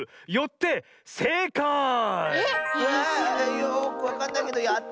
よくわかんないけどやった！